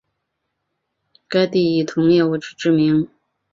该地以铜业知名。